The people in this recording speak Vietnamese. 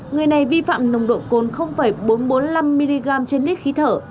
người này vi phạm nồng độ cồn bốn trăm bốn mươi năm mg trên lít khí thở